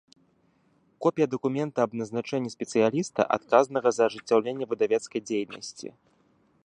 Копiя дакумента аб назначэннi спецыялiста, адказнага за ажыццяўленне выдавецкай дзейнасцi.